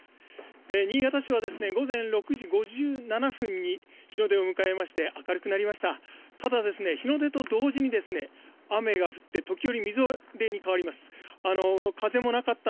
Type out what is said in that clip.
新潟市は午前６時５７分に日の出を迎えまして明るくなりました。